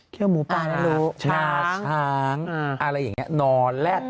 เคี่ยวหมูป่าแล้วรู้ช้างช้างอะไรอย่างนี้นอนแล้ว